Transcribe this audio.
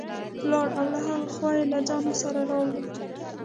ولاړ او له ها خوا یې له ځان سره راوړل.